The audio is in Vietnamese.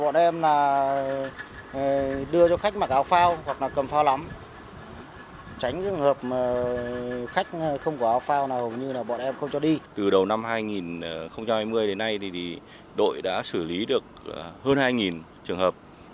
từ đầu năm hai nghìn hai mươi đến nay đội đã xử lý được hơn hai trường hợp